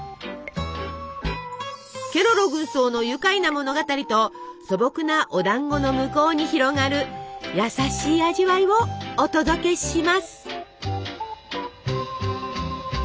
ケロロ軍曹の愉快な物語と素朴なおだんごの向こうに広がる優しい味わいをお届けします！